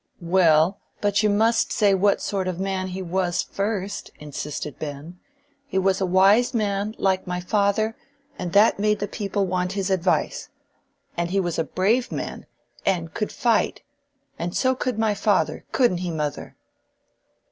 "Well, but you must say what sort of a man he was first," insisted Ben. "He was a wise man, like my father, and that made the people want his advice. And he was a brave man, and could fight. And so could my father—couldn't he, mother?"